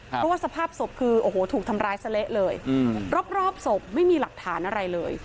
เพราะว่าสภาพศพคือโอ้โหถูกทำร้ายซะเละเลยรอบศพไม่มีหลักฐานอะไรเลย